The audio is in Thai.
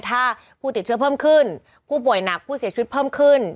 ถ้าผู้ติดเชื้อเพิ่มขึ้นผู้ป่วยหนักผู้เสียชีวิตเพิ่มขึ้น